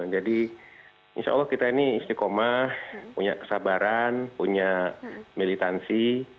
jadi insya allah kita ini istikomah punya kesabaran punya militansi